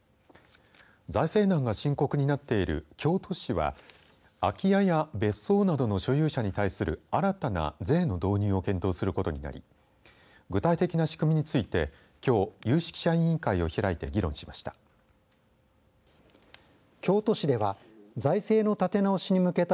財政難が深刻になっている京都市は、空き家や別荘などの所有者に対する新たな税の導入を検討することになり具体的な仕組みについてきょう、有識者委員会を開いて議論しました。